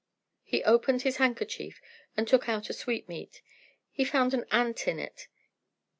He opened his handkerchief, and took out a sweetmeat. He found an ant in it.